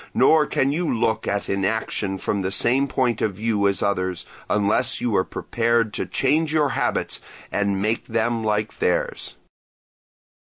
Nor can you look at inaction from the same point of view as others, unless you are prepared to change your habits and make them like theirs.